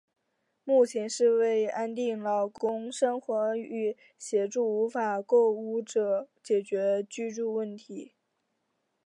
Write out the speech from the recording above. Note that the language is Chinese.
目的是为安定劳工生活与协助无法购屋者解决居住问题。